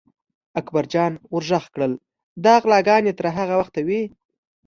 اکبر جان ور غږ کړل: دا غلاګانې تر هغه وخته وي.